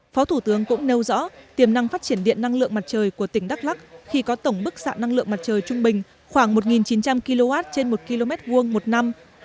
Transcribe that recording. phó thủ tướng cũng nêu rõ tiềm năng phát triển điện năng lượng mặt trời của tỉnh đắk lắc khi có tổng bức xạ năng lượng mặt trời trung bình khoảng một chín trăm linh kw trên một km hai một năm